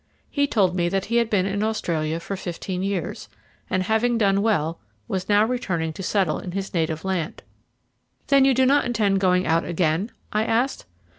He told me that he had been in Australia for fifteen years, and having done well was now returning to settle in his native land. "Then you do not intend going out again?" I asked.